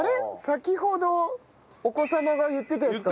先ほどお子様が言ってたやつかな？